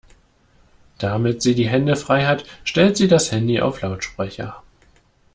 Damit sie die Hände frei hat, stellt sie das Handy auf Lautsprecher.